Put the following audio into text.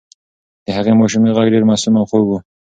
د هغې ماشومې غږ ډېر معصوم او خوږ و.